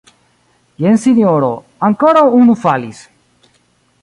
Jen sinjoro, ankoraŭ unu falis!